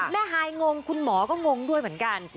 ฮายงงคุณหมอก็งงด้วยเหมือนกัน